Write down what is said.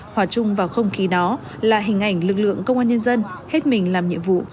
hòa chung vào không khí đó là hình ảnh lực lượng công an nhân dân hết mình làm nhiệm vụ